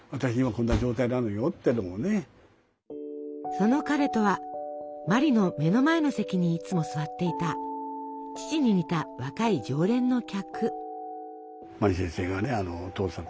その彼とは茉莉の目の前の席にいつも座っていた父に似た若い常連の客。